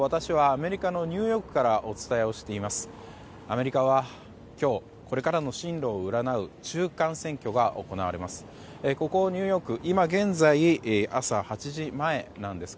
アメリカは今日これからの進路を占う中間選挙が行われます。